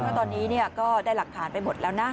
เพราะตอนนี้ก็ได้หลักฐานไปหมดแล้วนะ